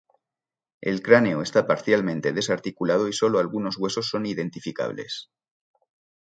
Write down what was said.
El cráneo está parcialmente desarticulado y solo algunos huesos son identificables.